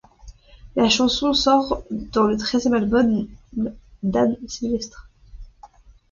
La chanson sort dans le treizième album d'Anne Sylvestre.